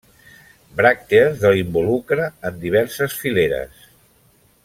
Bràctees de l'involucre en diverses fileres.